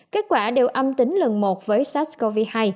kết quả đều âm tính lần một với sars cov hai